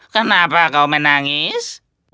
kenapa kau menangis